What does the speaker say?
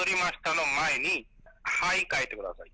の前に、はい、書いてください。